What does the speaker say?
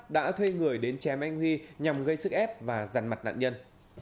đã thuê người đến chém anh huy nhằm gây sức ép và rằn mặt nạn nhân